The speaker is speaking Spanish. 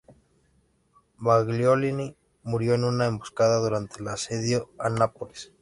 Baglioni murió en una emboscada durante el asedio a Nápoles.